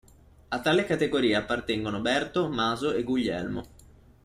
A tale categoria appartengono Berto, Maso e Guglielmo.